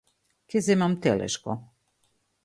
Ќе земам телешко.